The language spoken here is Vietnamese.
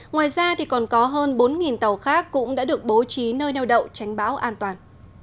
ngoài ra còn có hơn bốn tàu khác cũng đã được bố trí nơi neo đậu tránh bão an toàn